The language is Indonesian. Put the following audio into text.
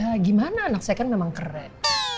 ya gimana anak saya kan memang keren